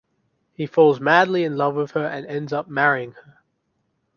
He falls madly in love with her and ends up marrying her.